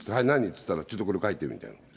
いったら、ちょっとこれ書いてみたいな。